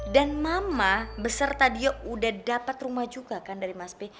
dan mama beserta dia udah dapat rumah juga kan dari mas be